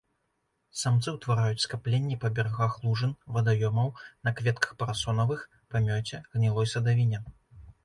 Самцы ўтвараюць скапленні па берагах лужын, вадаёмаў, на кветках парасонавых, памёце, гнілой садавіне.